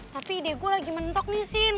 tapi ide gue lagi mentok nih sin